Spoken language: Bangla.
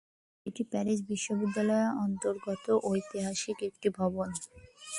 এটি প্যারিস বিশ্ববিদ্যালয়ের অন্তর্গত ঐতিহাসিক একটি ভবন।